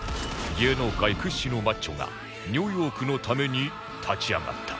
芸能界屈指のマッチョがニューヨークのために立ち上がった